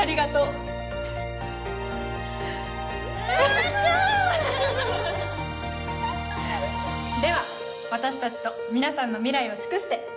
ウタちゃん！では私たちと皆さんの未来を祝して。